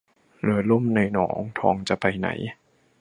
เรือล่มในหนองทองจะไปไหน